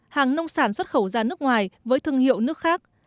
hàng nông sản xuất khẩu ra nước ngoài với thương hiệu nước khác